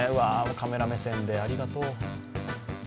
カメラ目線で、ありがとう。